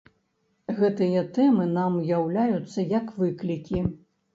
Гэтыя тэмы нам уяўляюцца як выклікі.